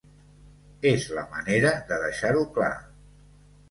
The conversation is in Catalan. És la manera de deixar-ho clar.